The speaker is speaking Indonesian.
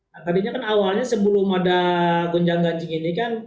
nah tadinya kan awalnya sebelum ada gonjang gaji ini kan